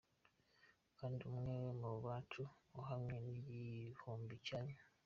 Kandi umwe mubacu ahwanye n’igihumbi cyanyu.